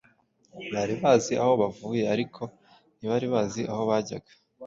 Bari bazi aho bavuye ariko ntibari bazi aho bajyaga.